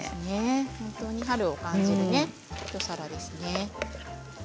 本当に春を感じる一皿ですね。